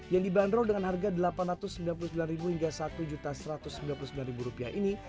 yang dibanderol dengan harga rp delapan ratus sembilan puluh sembilan hingga rp satu satu ratus sembilan puluh sembilan ini